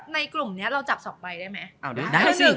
ในกลุ่มนี้เราจับ๒ใบได้ไหม